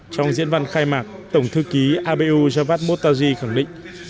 trong diễn văn khai mạc tổng thư ký abu javad motaji khẳng định